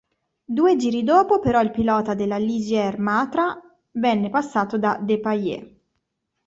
Due giri dopo però il pilota della Ligier-Matra venne passato da Depailler.